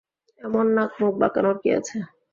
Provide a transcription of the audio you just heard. এমন নাক-মুখ বাঁকানোর কী আছে!